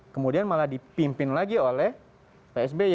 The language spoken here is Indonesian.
kemudian malah dipimpin lagi oleh pak sby